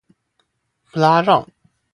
布拉让。